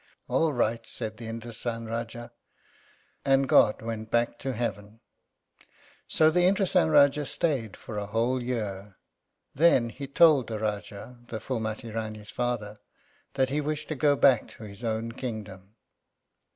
"All right," said the Indrásan Rájá. And God went back to heaven. So the Indrásan Rájá stayed for a whole year. Then he told the Rájá, the Phúlmati Rání's father, that he wished to go back to his own kingdom.